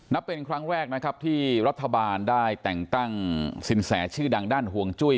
นับเป็นครั้งแรกที่รัฐบาลได้แต่งตั้งสินสายชื่อดังด้านฮวงจ้วย